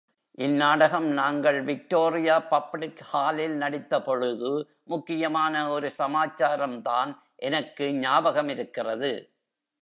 இந் நாடகம் நாங்கள் விக்டோரியா பப்ளிக் ஹாலில் நடித்த பொழுது, முக்கியமான ஒரு சமாச்சாரம்தான் எனக்கு ஞாபகமிருக்கிறது.